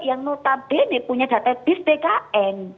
yang notabene punya data bis bkn